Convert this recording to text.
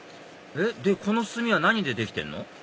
えっでこの炭は何でできてんの？